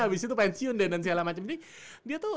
abis itu pensiun dan segala macam jadi dia tuh